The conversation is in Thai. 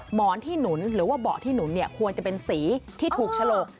หมอนที่หนุนหรือว่าเบาะที่หนุนเนี่ยควรจะเป็นสีที่ถูกฉลก